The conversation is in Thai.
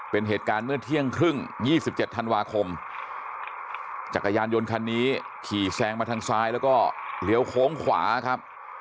เป็นเหตุการณ์เมื่อเที่ยงครึ่ง๒๗ธันวาคมจักรยานยนต์คันนี้ขี่แซงมาทางซ้ายแล้วก็เลี้ยวโค้งขวาครับ